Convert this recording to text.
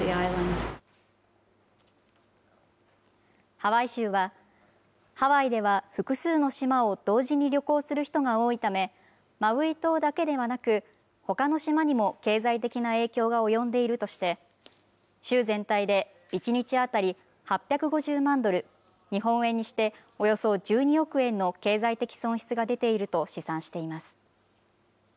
ハワイ州は、ハワイでは複数の島を同時に旅行する人が多いため、マウイ島だけではなく、ほかの島にも経済的な影響が及んでいるとして、州全体で１日当たり８５０万ドル、日本円にしておよそ１２億円の経済的損失が出ていると試算しています。